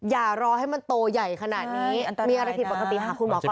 อย่ารอให้มันโตใหญ่ขนาดนี้มีอะไรผิดปกติหาคุณหมอก่อน